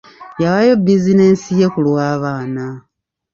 Yawaayo bizinensi ye ku lw'abaana.